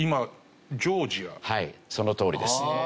はいそのとおりです。